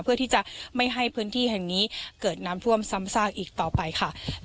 เพื่อที่จะไม่ให้พื้นที่แห่งนี้เกิดน้ำท่วมซ้ำซากอีกต่อไปค่ะ